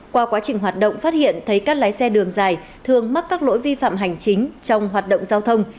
qua quá trình hoạt động phát hiện thấy các lái xe đường dài thường mắc các lỗi vi phạm hành chính trong hoạt động giao thông